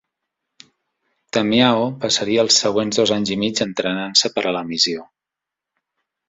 Tamyao passaria els següents dos anys i mig entrenant-se per a la missió.